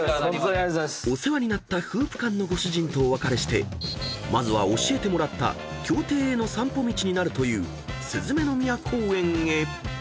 ［お世話になった「風布館」のご主人とお別れしてまずは教えてもらった「京亭」への散歩道になるという雀宮公園へ］